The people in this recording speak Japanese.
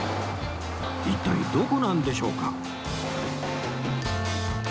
一体どこなんでしょうか？